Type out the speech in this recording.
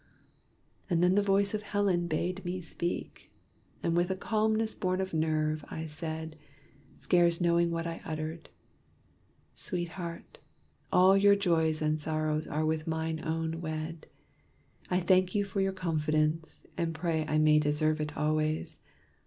And then the voice of Helen bade me speak, And with a calmness born of nerve, I said, Scarce knowing what I uttered, "Sweetheart, all Your joys and sorrows are with mine own wed. I thank you for your confidence, and pray I may deserve it always.